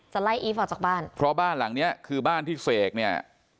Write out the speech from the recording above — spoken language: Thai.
ไล่อีฟออกจากบ้านเพราะบ้านหลังเนี้ยคือบ้านที่เสกเนี่ย